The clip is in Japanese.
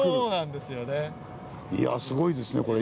いやすごいですね